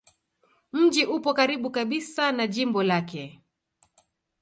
Mji upo karibu kabisa na jimbo lake.